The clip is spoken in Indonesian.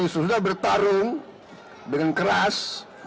sesudah bertarung dengan keras